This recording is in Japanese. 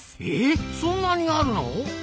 えっそんなにあるの！？